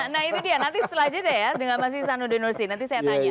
nah itu dia nanti setelah jeda ya dengan masih sanudinusi nanti saya tanya